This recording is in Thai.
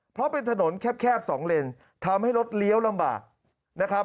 เพราะเป็นถนนแคบสองเลนทำให้รถเลี้ยวลำบากนะครับ